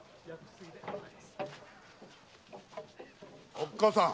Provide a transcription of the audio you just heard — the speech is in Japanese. おっかさん。